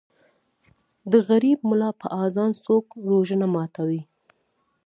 ـ د غریب ملا په اذان څوک روژه نه ماتوي.